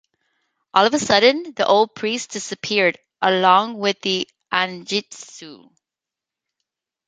All of a sudden the old priest disappeared along with the "anjitsu".